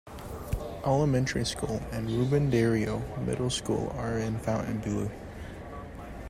Elementary School, and Ruben Dario Middle School are in Fontainebleau.